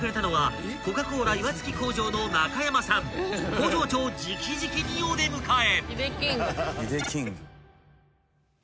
［工場長直々にお出迎え］